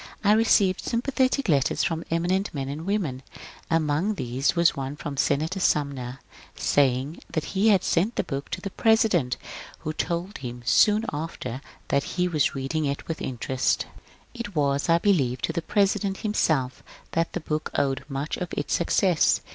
I received sympathetic letters from emi nent men and women, among these one from Senator Sumner, saying that he had sent the book to the President, who told him soon after that he was reading it with interest 342 MONCURE DANIEL CONWAY It was I believe to the President himself that the book owed much of its success.